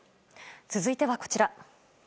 続いてはこちら。